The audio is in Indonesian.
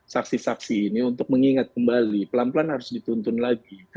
saksi saksi ini untuk mengingat kembali pelan pelan harus dituntun lagi